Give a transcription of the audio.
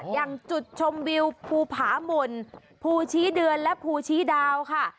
อย่างจุดชมวิวภูผาหม่นภูชี้เดือนและภูชีดาวค่ะ